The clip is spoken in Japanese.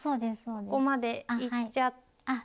ここまでいっちゃって。